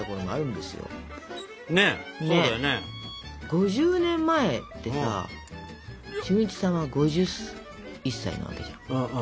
５０年前ってさ俊一さんは５１歳なわけじゃん。